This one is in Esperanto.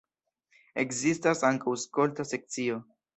Ekzistas ankaŭ skolta sekcio.